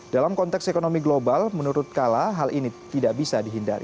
dalam konteks ekonomi global menurut kala hal ini tidak bisa dihindari